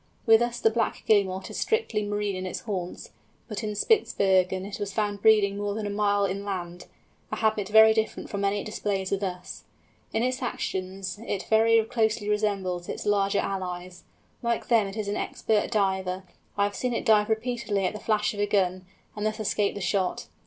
With us the Black Guillemot is strictly marine in its haunts, but in Spitzbergen it was found breeding more than a mile inland—a habit very different from any it displays with us. In its actions it very closely resembles its larger allies. Like them it is an expert diver—I have seen it dive repeatedly at the flash of a gun, and thus escape the shot.